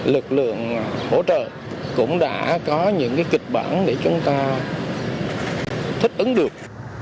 lực lượng hỗ trợ cũng đã có những kịch bản để chúng ta thích ứng được